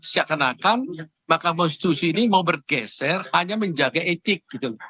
seakan akan makam konstitusi ini mau bergeser hanya menjaga etik